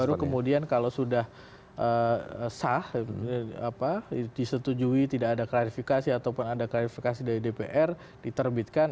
baru kemudian kalau sudah sah disetujui tidak ada klarifikasi ataupun ada klarifikasi dari dpr diterbitkan